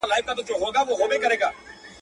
د وخت پر شونډو به زنګېږي زما تڼاکي غزل.